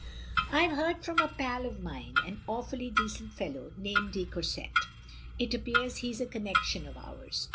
" I 've heard from a pal of mine — an awfully decent fellow — ^name de Courset. It appears he 's a connection of ours.